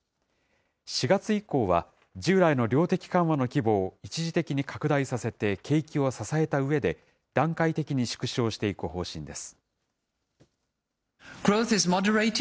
４月以降は従来の量的緩和の規模を一時的に拡大させて景気を支えたうえで、段階的に縮小していく方針です。